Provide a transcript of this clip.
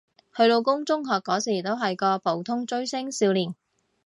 佢老公中學嗰時都係個普通追星少年